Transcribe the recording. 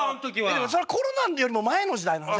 でもそれコロナよりも前の時代の話？